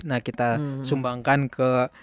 nah kita sumbangkan ke